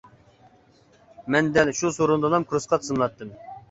مەن دەل شۇ سورۇندىلا كۇرسقا تىزىملاتتىم.